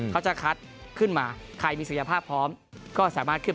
เขาจะคัดขึ้นมา